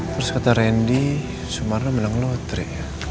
terus kata randy sumarno malah ngelotre